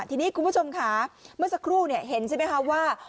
ทีนี้คุณผู้ชมค่ะเมื่อสักครู่เห็นใช่ไหมคะว่า